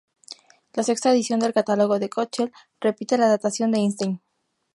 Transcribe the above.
La sexta edición del catálogo Köchel repite la datación de Einstein.